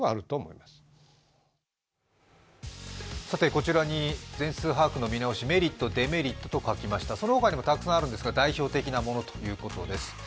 こちらに全数把握の見直し、メリット、デメリットを書きましたが、そのほかにもたくさんあるんですが、代表的な物です。